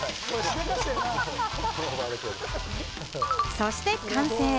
そして完成。